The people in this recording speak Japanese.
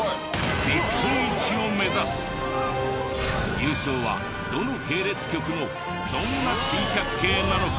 優勝はどの系列局のどんな珍百景なのか？